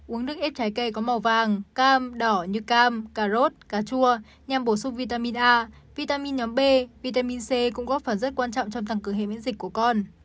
uống nước ít trái cây có màu vàng cam đỏ như cam cà rốt cà chua nhằm bổ sung vitamin a vitamin nhóm b vitamin c cũng góp phần rất quan trọng trong tăng cường hệ miễn dịch của con